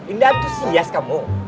indah tuh sias kamu